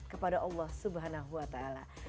kepada allah subhanahu wa ta'ala